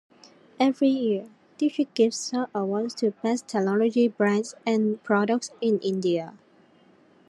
Every year, "Digit" gives out awards to best technology brands and products in India.